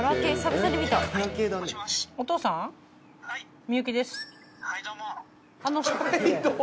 はい。